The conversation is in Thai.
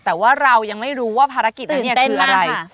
แต่ว่าเรายังไม่รู้ว่าภารกิจนั้นเนี่ยคืออะไร